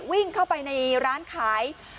วิ่งเข้าไปในร้านขาย